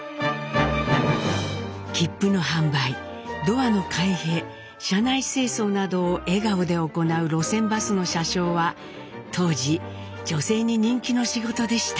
切符の販売ドアの開閉車内清掃などを笑顔で行う路線バスの車掌は当時女性に人気の仕事でした。